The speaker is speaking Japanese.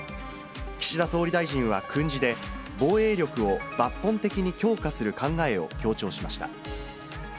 岸田総理大臣は訓示で、防衛力を抜本的に強化する考えを強調しました。